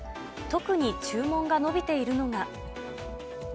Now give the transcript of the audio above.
特に注文が伸びているのが。